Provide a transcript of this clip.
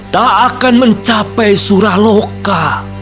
tak akan mencapai suraloka